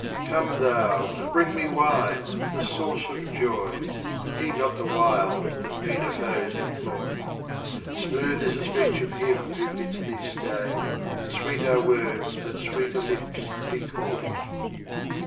Come thou, and bring me wine, the source of joy ; Heed not the wiles that meaner foes employ. Smooth is the speech of him who bids thee stay, And sweet are words that sweeter lips decoy.